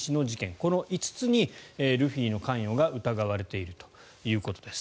この５つにルフィの関与が疑われているということです。